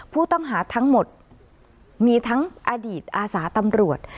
ผู้ต้องหาทั้งหมดมีทั้งอดีตอาสาตำรวจ